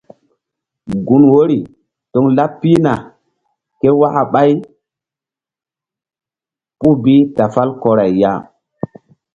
Gun wori toŋ laɓ pihna ké waka ɓày puh bi ta fàl kɔray ya.